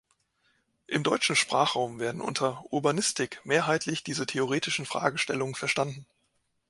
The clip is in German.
Im deutschen Sprachraum werden unter "Urbanistik" mehrheitlich diese theoretischen Fragestellungen verstanden.